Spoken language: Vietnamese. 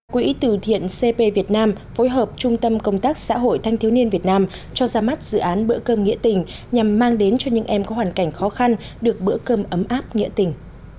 quỹ từ thiện cp việt nam phối hợp trung tâm công tác xã hội thanh thiếu niên việt nam cho ra mắt dự án bữa cơm nghĩa tình nhằm mang đến cho những em có hoàn cảnh khó khăn được bữa cơm ấm áp nghĩa tình